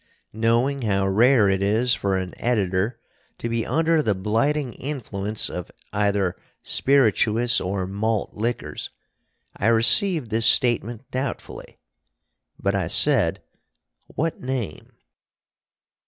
Knowing how rare it is for an Editor to be under the blighting influence of either spirituous or malt liquors, I received this statement doubtfully. But I said: "What name?"